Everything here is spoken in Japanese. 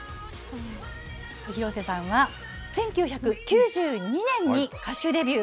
広瀬さんは、１９９２年に歌手デビュー。